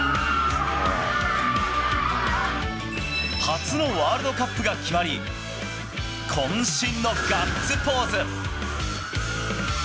初のワールドカップが決まり、こん身のガッツポーズ。